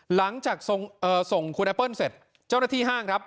หลังจากส่งคุณแอปเปิ้ลเสร็จเจ้าหน้าที่ห้างครับ